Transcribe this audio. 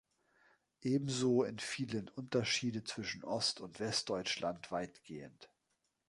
Ebenso entfielen Unterschiede zwischen Ost- und Westdeutschland weitgehend.